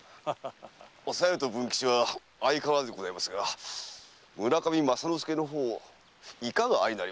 おさよと文吉は相変わらずでございますが村上政之助の方はいかがあいなりましょうか？